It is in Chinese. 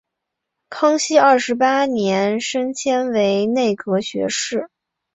康熙二十八年升迁为内阁学士。